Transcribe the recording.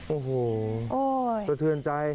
โอ้โหสะเทือนใจ